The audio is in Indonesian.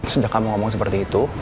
sudah kamu ngomong seperti itu